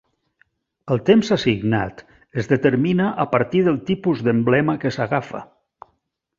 El temps assignat es determina a partir del tipus d'emblema que s'agafa.